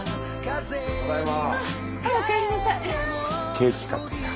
ケーキ買ってきた。